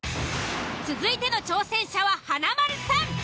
続いての挑戦者は華丸さん。